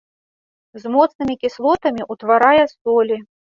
З моцнымі кіслотамі ўтварае солі.